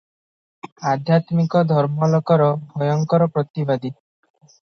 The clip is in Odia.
ଆଧ୍ୟାତ୍ମିକ ଧର୍ମାଲୋକର ଭୟଙ୍କର ପ୍ରତିବାଦୀ ।